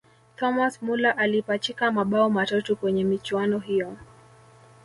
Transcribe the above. thomas muller alipachika mabao matatu kwenye michuano hiyo